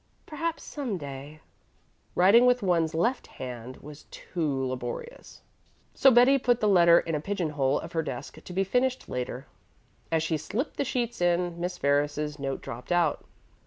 Perhaps, some day " Writing with one's left hand was too laborious, so Betty put the letter in a pigeon hole of her desk to be finished later. As she slipped the sheets in, Miss Ferris's note dropped out.